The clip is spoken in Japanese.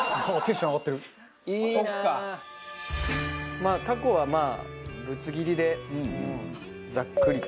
まあタコはぶつ切りでざっくりと。